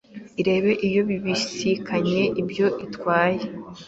irebe iyo bibisikanye ibyo itwaye,